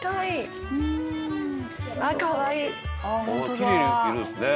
「きれいな色ですね」